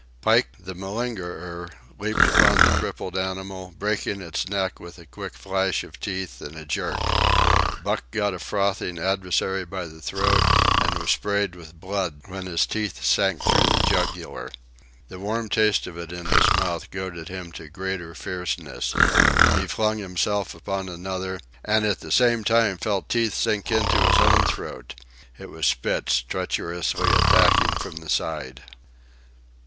Pike, the malingerer, leaped upon the crippled animal, breaking its neck with a quick flash of teeth and a jerk, Buck got a frothing adversary by the throat, and was sprayed with blood when his teeth sank through the jugular. The warm taste of it in his mouth goaded him to greater fierceness. He flung himself upon another, and at the same time felt teeth sink into his own throat. It was Spitz, treacherously attacking from the side.